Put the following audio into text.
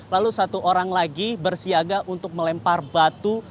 lalu satu orang lagi bersiaga untuk melempar batu